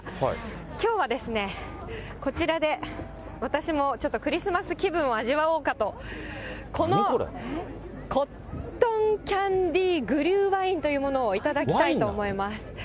きょうはですね、こちらで私もちょっとクリスマス気分を味わおうかと、このコットンキャンディグリュワインというものを頂いてみたいとワイン？